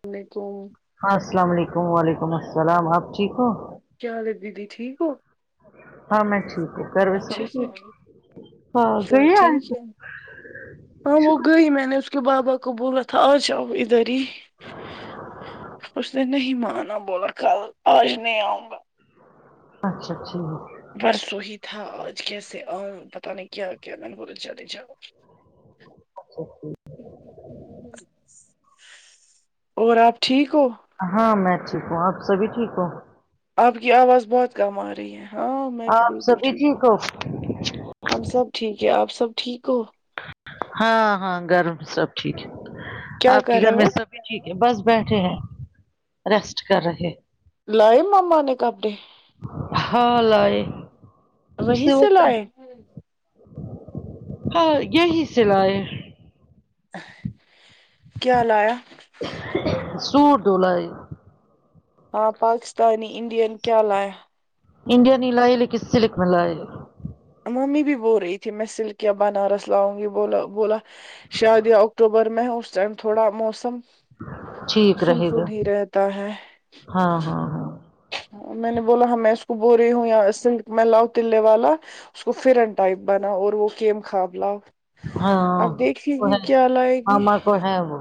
ہم نے تو اسلام علیکم وعلیکم السلام آپ ٹھیک ہو کیا حال ہے دیدی ٹھیک ہو ہاں میں ٹھیک ہے گھر سب اچھے سے ٹھیک اچھا ہاں گئی آ ٹھیک ہے ہاں وہ گئی میں نے اس کو بابا کو بولا تھا آج آؤ ادھر ہی اس دن نہیں مانا بولا کل آج نہیں آؤں گا اچھا اچھی ہو برسوں ہی تھا آج کیسے آ یۓ نہیں کیا کیا بول چے جاؤ اچھا جٹ اور آپ ٹھیک ہو ہاں میں ٹھیک ہوں آپ سبھی ٹھیک ہوں آپ کی آواز بہت کم آ ر رہی ہے ہاں میں بھی آپ بالکل سبھی ہوں ٹھیک ہو ہم سب ٹھیک ہے آپ سب ٹھیک ہو ہاں ہاں گھر میں سب ٹھیک ہے کیا آپ کے کر گھر رہے میں ہو سبھی ٹھیک ہے بس بیٹھے ہیں ریسٹ کر رہے لائے نہ ماما کے ابھی ہاں لائے وہیں اسے سے ہوتا لائے ہاں یہی سے لائے ہے کیا لایا سوٹولائی ہاں پاکستانی انڈین کیا لا ۓ انڈیاین ہی لائے لیکن سلک میں لائے ممی بھی بول رہی تھی میں سلک بنارس لاؤں گی بولا بولا شاید یا اکتوبر میں ہو سہی تھوڑا موسم ٹھیک سن رہے تو گا نہیں ر ہتا ہے ہاں ہاں ہاں میں نے بولا ہ میں اس کو بول رہی ہوں یہ سلک میں لاؤ تو یہ والا اس کو فرن ٹائپ بنا اور وہ فرن کھا گیا ہاں وہ لائے گی ہما کو ہے وہ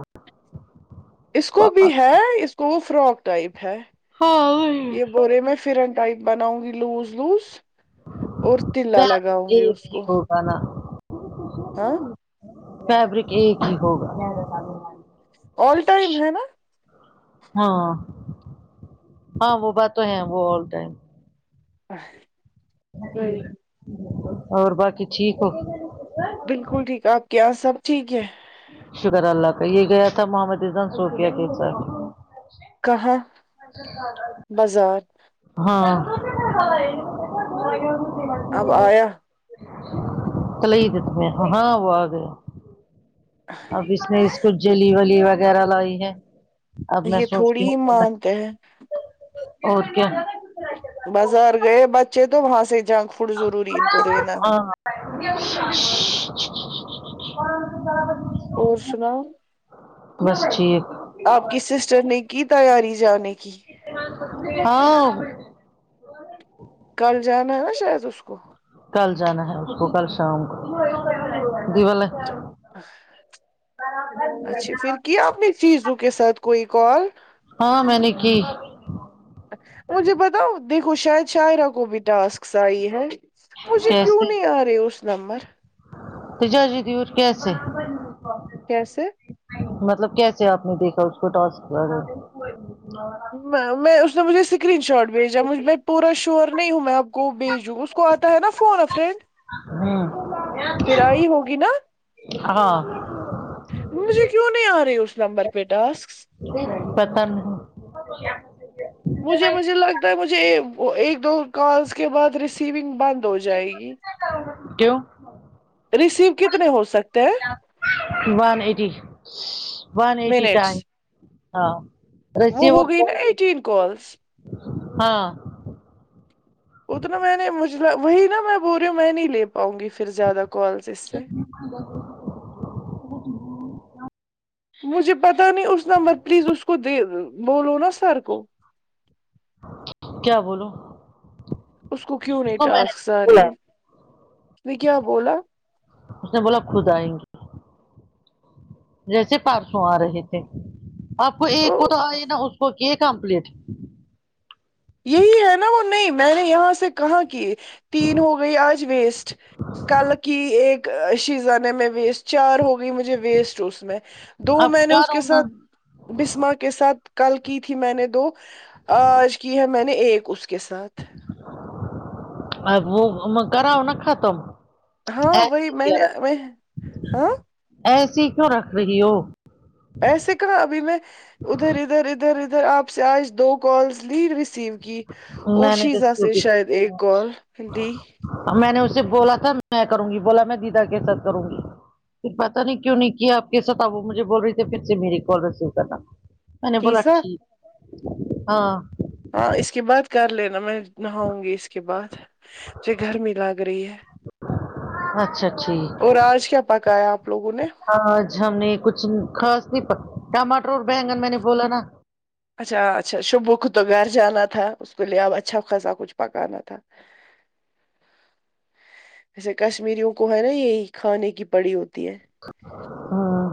اس کو بھی پاپا ہے اس کو وہ فراک ٹائپ ہے ہاں اور رے میں فرن ٹائپ بناؤں گی لوز لوز اور تلا لگاؤ گی اس کو ونا آاں فیبرک ایک ہی ہوگا آل ٹائم ہے نا ہاں ہاں وہ بات تو ہے وہ آل ٹائم ا [inaudible] اور باقی ٹھیک ہو بالکل ٹھیک آپ کے یہاں سب ٹھیک ہے شکر اللہ کا یہ گیا تھا ماما کے گھر صوفیہ کے ساتھ کہاں بازار ہاں اب آیا کل ہی جتنے ہاں وہ آ گیا ابھی نے اس کو جلی ولی وغیرہ لائی ہے اب میں سوچتی ہوں کہ میں گۓ ہے اور کیا بازار گئے بچے تو وہاں سے جنک فوڈ ضروری ان کو دینا ہے [unintelligible] اور سناؤ بس ٹھیک آپ کی سسٹر نے کی تیاری جانے کی ہاں کل جانا ہے نا شاید اس کو کل جانا ہے اس کو کل شام کو دی [unintelligible] ہاں [unintelligible] اچھا پھر کیا اپنی شیزو کے ساتھ کوئی کال ہاں میں نےکی مجھے بتاؤ دیکھو شاید شایرہ کو بھی ٹاسکس آئی ہے مجھے کیوں کیسے نہیں آ رہے اس نمبر [unintelligible] کیسے مطلب کیسے آپ نے دیکھا اس کو ٹاسکس آرہے تھے میں میں اس نے مجھے اسکرین شاٹ بھیجا مجھ میں پورا شور نہیں ہوں میں آپ کو بھیجوں کو اتا ہے نہ فون افرینڈ ھممم ہوگی نا ہاں مجھے کیوں نہیں آ رہی ہے اس نمبر پہ ٹاسک پتا نہیں مجھے مجھے لگتا ہے مجھے اک ایک دو کالس کے بعد ریسیونگ بند ہو جائے گی کیوں ریسیو کتنے ہو سکتے ہیں one eighty one eighty minutes time ہاں وہ ہو ریسیور گئی نا کال ایٹین کالس ہاں اتنا میں نے مجھ وہی نا میں بول رہی ہوں میں نہیں لے پاؤں گی پھر زیادہ کال اس سے [unintelligible] مجھے پتا نہیں اس نمبر پلیز اس کو دے بولو نا سر کو کیا بولو اس کو کیوں اس نہیں میں نے ٹاسکس آ رہی بولا ہے اس نے کیا بولا اس نے بولا خود آئیں گے جیسے پرسوں آ رہے تھے آپ کو ایک کو تو آئی نا اس کو کیے کمپلیٹ یہی ہے نا وہ نہیں میں نے یہاں سے کہاں کی تین ہو گئی آج ویسٹ کل کی ایک شیزان میں بھی چار ہو گئی مجھے ویسٹ اس میں دو اب میں نے اس کرو کے نا ساتھ بسما کے ساتھ کل کی تھی میں نے دو آج کی ہے میں نے ایک اس کے ساتھ وہ میں کراؤ نا ختم ہاں وہی ایسی میں کیا نے رکھ میں ہاں ایسی کیوں رکھ رہی ہو ایسے کہا ابھی میں ادھر ادھر ادھر ادھر آپ سے آج دو کالز لی ریسیو کی اور میں نے شیزاں ریسیو سے شاید ایک کال دی ا میں نے اسے بولا تھا میں کروں گی بولا میں دیدا کے ساتھ کروں گی پھر پتا نہیں کیوں نہیں کیا آ کے ساتھ وہ مجھے بول رہی تھی پھر سے میری کال ریسیو کرنا میں نے بولا شیزا ٹھیک ہاں ہاں اس کے بعد کر لینا میں نہاؤں گی اس کے بعد جے گرمی لگ رہی ہے اچھا اچھا جی اور آج کیا پکایا آپ لوگوں نے آج ہم نے کچھ خاص نہیں پک ٹماٹر اور بینگن میں نے بولا نا اچھا اچھا شبح کو تو گھر جانا تھا اس کے لیے اب اچھا خاصا کچھ پکانا تھا جیسے کشمیریوں کو ہے نا یہی کھانے کی پڑی ہوتی ہے ہاں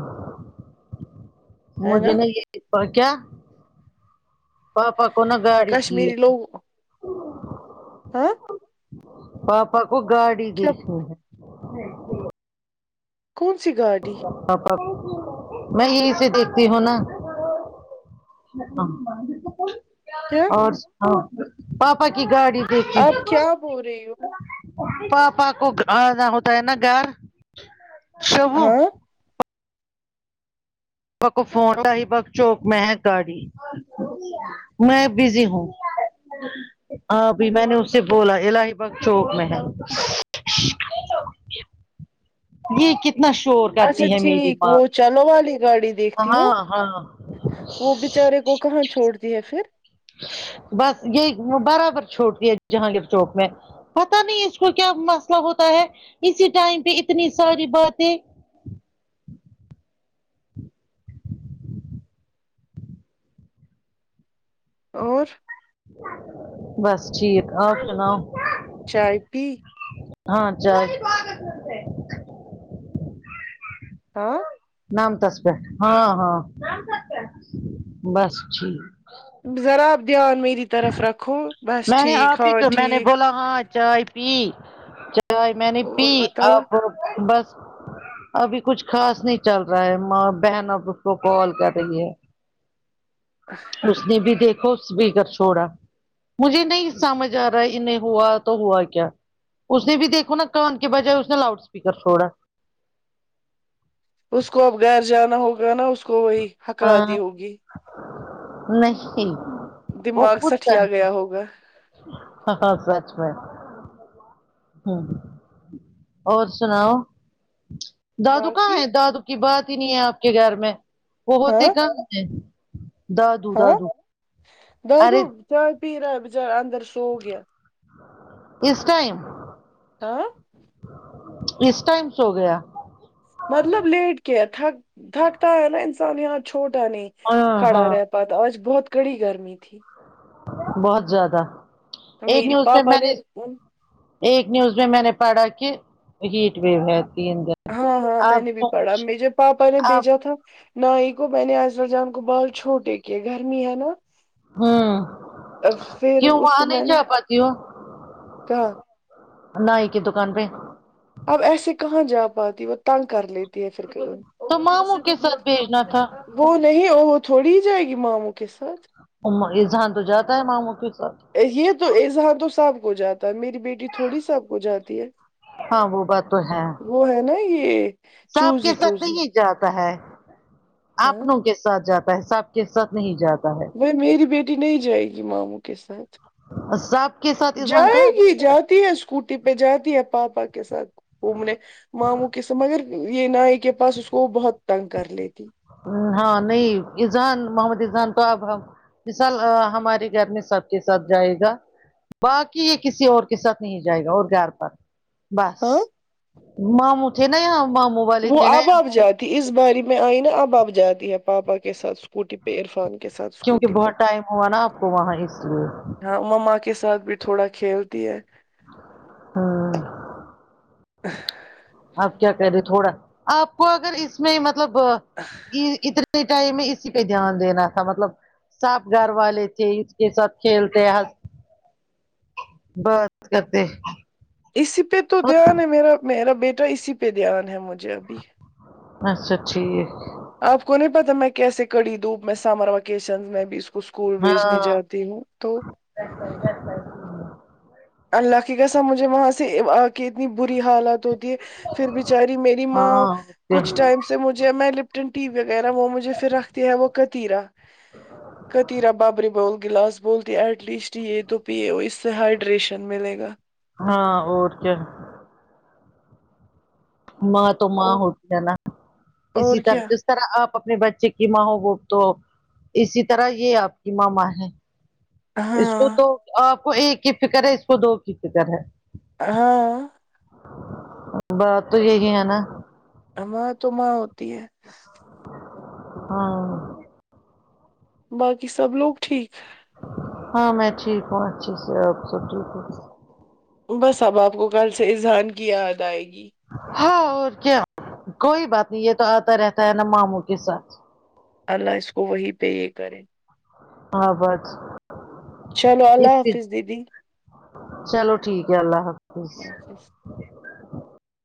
ہے نا مجھے نہیں یہ اور کیا؟ پاپا کو نہ گاڑی کی کشمیری لوگ ہاں پاپا کو گاڑی کیا دیکھنی ہے کون سی گاڑی پاپا کو میں یہی سے دیکھتی ہوں نا کیا اور سناؤ پاپا کی گاڑی دیکھے آپ کیا بول رہی ہو پاپا کو آنا ہوتا ہے نا گھر شوبو ہاں پا کو فون کری بک چوپ میں گاڑی میں بزی ہوں بھابھی میں نے اس سے بولا الاہی بگ چوک میں یہ کتنا شور اچھا کرتی ہے میری ٹھیک ماں وہ چلو والی گاڑی دیکھتی ہو ہاں ہاں وہ بچارے کو کہاں چھوڑتی ہے پھر بس یہ وہ برابر چھوڑتی ہے جہانگیر چوک میں پتہ نہیں اس کو کیا مسئلہ ہوتا ہے اسی ٹائم پہ اتنی ساری باتیں اور بس ٹھیک اور سناؤ چائے پی ہاں جائے ہاں نام تس پ ہاں ہاں بس ٹھیک ذرا آپ دھیان میری طرف رکھو بس میں نے ٹھیک آپ ہی ہاں کو میں نے ٹھیک بولا ہاں چائے پی چائے میں نے پی اور بتاؤ آپ بس ابھی کچھ خاص نہیں چل رہا ہے ماں بہن اب اس کو کال کر رہی ہے ا اس نے بھی دیکھو اس بھیگر چھوڑا مجھے نہیں سمجھ آ رہا ہے انہیں ہوا تو ہوا کیا اس نے بھی دیکھو نا کان کے بجائے اس نے لاؤڈ اسپیکر چھوڑا اس کو اب گھیر جانا ہوگا نا اس کو وہی ہکال دی ہاں ہوگی نہیں وہ دماغ خود سٹیا کر گیا ہوگا ہاں سچ میں ہ اور سناؤ دادو کہاں باقی ہیں دادو کی بات ہی نہیں ہے آپ کے گھر میں وہ ہوتے ہاں کہاں ہیں دادو ہاں دادو دادو ارے چائے پی رہا بچارا اندر سو گیا اس ٹائم آں اس ٹائم سو گیا مطلب لیٹ گیا تھک تھکتا ہے نا انسان یہاں چھوٹا نہیں ہاں کھڑا ہاں رہت پاتا آج بہت کڑی گرمی تھی بہت زیادہ ایک میری نیوز پاپا میں نے ایک نیوز میں میں نے پڑھا کہ ہیٹ ویو ہے تین دن ہاں ہاں میں آپ نے بھی پڑھا سوچ مجھے پاپا نے آپ بھیجا تھا نہیی کو میں نے آئے رو جان کو بال چھوٹے کہ گرمی ہے نا ہاں اب پھر کیوں اس وہاں کو میں نہیں نے جا پاتتی ہو کہا نائ کی دکان پہ اب ایسے کہاں جا پاتی وہ تنگ کر لیتی ہے پھر تو ماموں کے ساتھ بھیجنا تھا وہ نہیں وہ تھوڑی ہی جائے گی ماموں کے ساتھ اذہان تو جاتا ہے ماموں کے ساتھ یہ تو اظہان تو سب کو جاتا ہے میری بیٹی تھوڑی ساب کو جاتی ہے ہاں وہ بات تو ہے وہ ہے نا یہ سب چوزی کے ساتھ چوزی نہیں جاتا ہے ہاں اپنوں کے ساتھ جاتا ہے سب کے ساتھ نہیں جاتا ہے بھائی میری بیٹی نہیں جائے گی ماموں کے ساتھ سب کے ساتھ اذہان جائے کہاں گی جاتا جاتی ہے اسکوٹی پہ جاتی ہے پا پا کے ساتھ گھومنے ماموں کے سمے مگر یہ نائ کے پاس اس کو بہت تنگ کر لیتی ہاں نہیں ایذان محمد ایذان تو آب ہم ایزان ہمارے گھر میں سب کے ساتھ جائے گا باقی یہ کسی اور کے ساتھ نہیں جائے گا اور گھر پر بس ہاں ماموں تھے نا یہاں ماموں والے وہ تھے نا اب یہاں اب پر جاتی اس باری میں آئی نا اب آب جاتی ہے پاپا کے ساتھ س کپوٹی پہ عرفان کے ساتھ کیونکہ اسکوٹی پہ بہت ٹائم ہوا نا آپ کو وہاں اس لیے ہاں مماں کے ساتھ بھی تھوڑا کھیلتی ہے ہاں آپ کیا کہہ رہے تھوڑا آپ کو اگر اس میں مطلب یہ اتنے اس ٹائم میں اسی پہ دھیان دینا تھا مطلب ساب گھر والے تھے اس کے ساتھ کھیلتے بات کرتے اسی پہ تو دھیان ہے میرا میرا بیٹا اسی پہ دھیان ہے مجھے ابھی اچھا ٹھیک آپ کو نہیں پتا میں کیسے کڑی دوں میں سمر ویکیشن میں بھی اس کو اسکول بھیجنے ہاں جاتی ہوں تو اللہ کی قسم مجھے وہاں سے آ کے اتنی بری حالت ہوتی پھر بچاری میری ماں ہاں اور کیا کچھ ٹائم سے مجھے میں لپٹن ٹی وی وغیرہ وہ مجھے پھر رکھتی ہے وہ کرتی رہ کتییرا بابری بول گلاس بولتی ایٹ لیسٹ یہ تو پیے اس سے ہائڈ نیوٹریشن ملے گا ہاں اور کیا ماں تو ماں او- ہوتی ہے نا اسی اور طرح کیا سے اس طرح آپ اپنے بچے کی ماں ہو گو تو اسی طرح یہ آپ کی ماں ماں ہے اس ہاں کو تو آپ کو ایک کی فکر ہے اس کو دو کی فکر ہے ہاں بات تو یہ ہی ہیں نا ماں تو ماں ہوتی ہے ہاں باقی سب لوگ ٹھیک ہاں میں ٹھیک ہوں اچھے سے آپ سب ٹھیک ہوں بس اب آپ کو کل سے اذہان کی یاد آئے گی ہاں اور کیا کوئی بات نہیں یہ تو آتا رہتا ہے ناں ماموں کے ساتھ اللہ اس کو وہی پہ یہ کریں ہاں باجی چلو اللہ حافظ دیدی چلو ٹھیک ہے اللہ حافظ اللہ حافظ۔